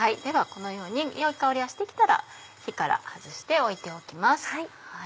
このように良い香りがして来たら火から外して置いておきます。